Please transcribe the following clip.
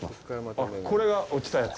あっ、これが落ちたやつ？